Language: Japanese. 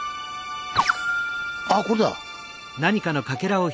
あっこれだ。